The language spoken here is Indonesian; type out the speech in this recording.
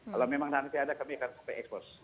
kalau memang nanti ada kami akan sampai ekspos